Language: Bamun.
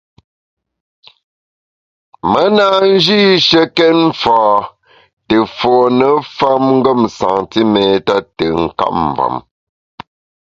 Me na njîshekét mfâ te fône famngem santiméta te nkap mvem.